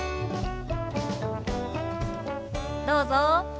どうぞ。